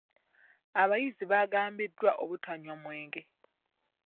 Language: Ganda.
Abayizi baagambiddwa obutanywa mwenge.